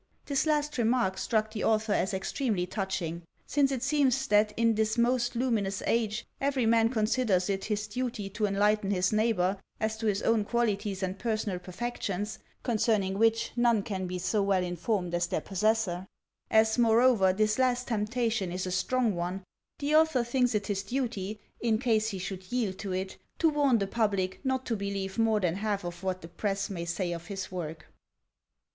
This last remark struck the author as extremely touching. Since it seems that in this most luminous age every man considers it his duty to enlighten his neighbor as to his own qualities and personal perfections, concerning which none can be so well informed as their possessor, as, moreover, this last tempta tion is a strong one, the author thinks it his duty, in case he should yield to it, to warn the public not to believe more than half of what the press may say of his work.